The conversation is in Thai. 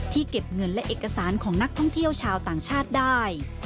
เก็บเงินและเอกสารของนักท่องเที่ยวชาวต่างชาติได้